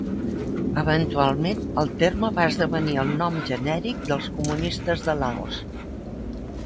Eventualment, el terme va esdevenir el nom genèric dels comunistes de Laos.